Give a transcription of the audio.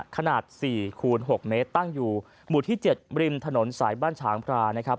ขนาด๔คูณ๖เมตรตั้งอยู่หมู่ที่๗ริมถนนสายบ้านฉางพรานะครับ